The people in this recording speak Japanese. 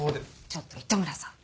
ちょっと糸村さん。